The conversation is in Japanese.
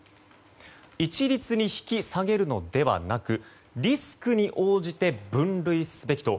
一律に引き下げるのではなくリスクに応じて分類すべきと。